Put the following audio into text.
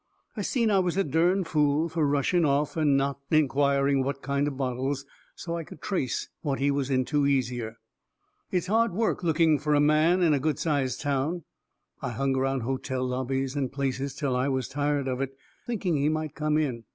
I seen I was a dern fool fur rushing off and not inquiring what kind of bottles, so I could trace what he was into easier. It's hard work looking fur a man in a good sized town. I hung around hotel lobbies and places till I was tired of it, thinking he might come in.